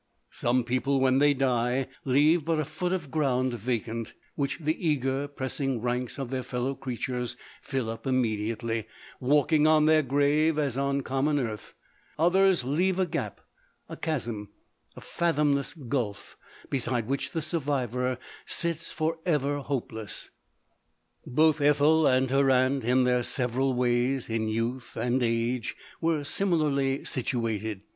Some people, when they die, leave but a foot of ground LODORE. 283 vacant, which the eager pressing ranks of their fellow creatures fill up immediately) walking on their grave, as on common earth ; others leave a gap, a chasm, a fathomless gulf, beside which the survivor sits for ever hopeless. Both Ethel and her aunt, in their several ways, in youth and age, were similarly situated.